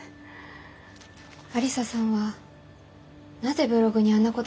愛理沙さんはなぜブログにあんなことを書いたんでしょうか？